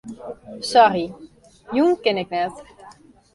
Sorry, jûn kin ik net.